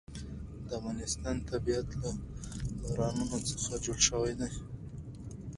د افغانستان طبیعت له بارانونو څخه جوړ شوی دی.